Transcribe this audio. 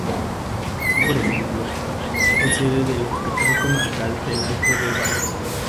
Así, por ejemplo, es sede del "Hospital Comarcal del Alto Deva".